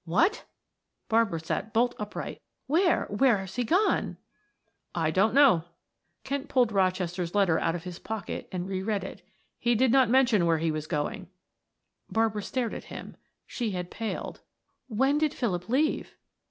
"What!" Barbara sat bolt upright. "Where where's he gone?" "I don't know" Kent pulled Rochester's letter out of his pocket and re read it. "He did not mention where he was going." Barbara stared at him; she had paled. "When did Philip leave?"